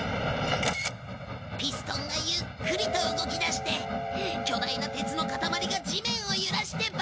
ピストンがゆっくりと動き出して巨大な鉄の塊が地面を揺らしてばく進するんだ！